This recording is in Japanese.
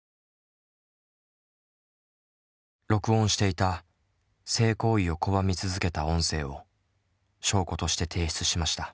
録音していた性行為を拒み続けた音声を証拠として提出しました。